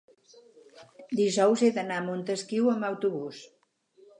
dijous he d'anar a Montesquiu amb autobús.